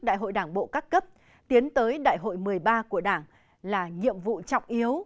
đại hội đảng bộ các cấp tiến tới đại hội một mươi ba của đảng là nhiệm vụ trọng yếu